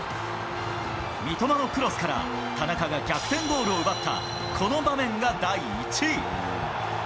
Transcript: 三笘のクロスから、田中が逆転ゴールを奪ったこの場面が第１位。